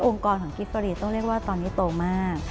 กรของกิฟเฟอรีต้องเรียกว่าตอนนี้โตมาก